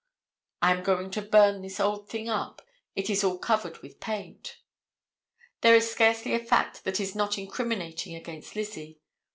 "I am going to burn this old thing up. It is all covered with paint." There is scarcely a fact that is not incriminating against Lizzie.